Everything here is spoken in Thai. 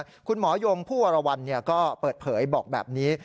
ใช่ค่ะคุณหมอยงผู้วรรณเนี่ยก็เปิดเผยบอกแบบนี้